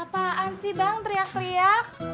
apaan sih bang teriak teriak